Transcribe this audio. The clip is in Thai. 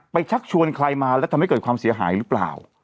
ชักชวนใครมาแล้วทำให้เกิดความเสียหายหรือเปล่า